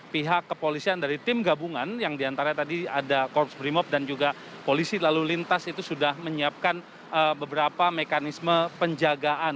pihak kepolisian dari tim gabungan yang diantara tadi ada korps brimob dan juga polisi lalu lintas itu sudah menyiapkan beberapa mekanisme penjagaan